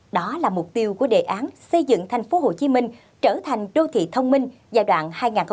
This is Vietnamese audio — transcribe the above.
đó là mục tiêu của đề án xây dựng thành phố hồ chí minh trở thành đô thị thông minh giai đoạn hai nghìn một mươi bảy hai nghìn hai mươi